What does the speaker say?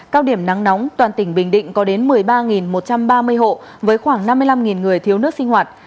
cao điểm nắng nóng toàn tỉnh bình định có đến một mươi ba một trăm ba mươi hộ với khoảng năm mươi năm người thiếu nước sinh hoạt